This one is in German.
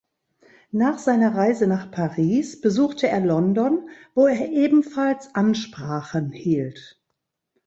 Nach seiner Reise nach Paris besuchte er London, wo er ebenfalls Ansprachen hielt.